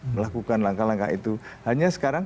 melakukan langkah langkah itu hanya sekarang